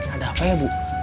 ada apa ya bu